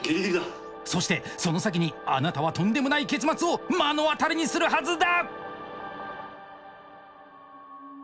そしてその先にあなたはとんでもない結末を目の当たりにするはずだ！